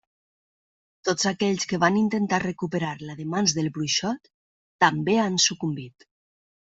Tots aquells que van intentar recuperar-la de mans del bruixot, també han sucumbit.